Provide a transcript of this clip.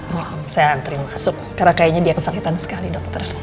hmm saya antri masuk karena kayaknya dia kesakitan sekali dokter